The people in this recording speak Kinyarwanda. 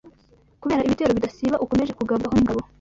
kubera ibitero bidasiba ukomeje kugabwaho n’ingabo